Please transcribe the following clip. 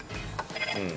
うん。